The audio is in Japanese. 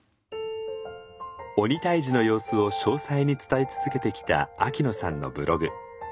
鬼退治の様子を詳細に伝え続けてきた秋野さんのブログ。